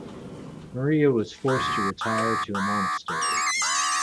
Maria was forced to retire to a monastery.